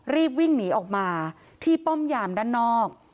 รีบวิ่งหนีออกมาที่ป้อมยามด้านนอก